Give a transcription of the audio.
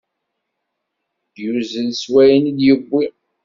Yuzzel s wayen i d-yewwi.